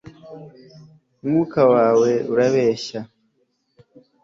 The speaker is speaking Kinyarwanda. umwuka wawe urabeshya